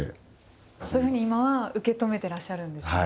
そういうふうに今は受け止めてらっしゃるんですね。